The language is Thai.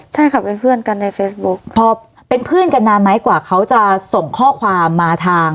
ใช่ค่ะเป็นเพื่อนกันในเฟซบุ๊คพอเป็นเพื่อนกันนานไหมกว่าเขาจะส่งข้อความมาทาง